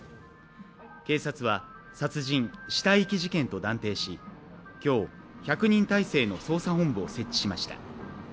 警察は殺人・死体遺棄事件と断定し今日、１００人態勢の捜査本部を設置しました。